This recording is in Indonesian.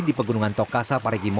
di pegunungan tokasa parikimo